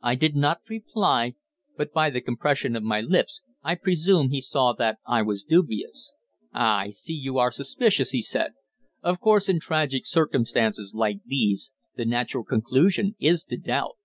I did not reply; but by the compression of my lips I presume he saw that I was dubious. "Ah! I see you are suspicious," he said. "Of course, in tragic circumstances like these the natural conclusion is to doubt.